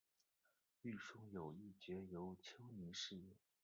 王顺友一角由邱林饰演。